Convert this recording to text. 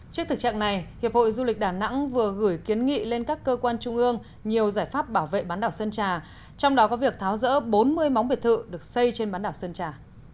trước thực trạng này hiệp hội du lịch đà nẵng vừa gửi kiến nghị lên các cơ quan trung ương nhiều giải pháp bảo vệ bán đảo sơn trà trong đó có việc tháo rỡ bốn mươi món biệt thự được xây trên bán đảo sơn trà